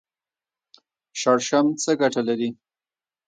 شړشم څه ګټه لري؟